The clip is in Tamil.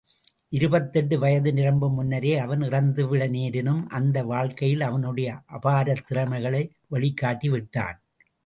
இருபத்தெட்டு வயது நிரம்பும் முன்னரே, அவன் இறந்துவிட நேரினும், அந்த வாழ்க்கையில் அவனுடைய அபாரத் திறமைகளை வெளிக்காட்டி விட்டான்.